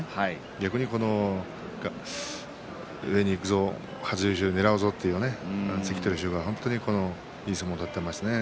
逆に上にいくぞ初優勝をねらうぞという関取衆は本当にいい相撲を取ってますね